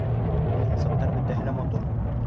Муйынсаҡтар бөтәһе лә матур.